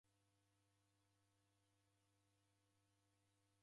Deka na mchango ghwa harusi